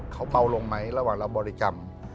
เขาเบาลงไหมระหว่างเราบริกรรม